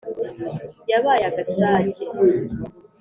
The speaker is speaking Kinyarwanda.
Yabaye agasake